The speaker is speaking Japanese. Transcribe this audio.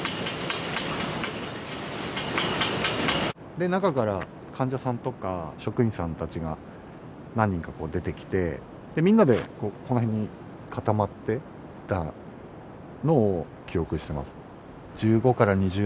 で中から患者さんとか職員さんたちが何人かこう出てきてみんなでこの辺に固まっていたのを記憶してますね。